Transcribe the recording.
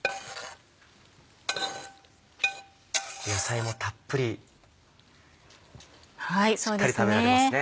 野菜もたっぷりしっかり食べられますね。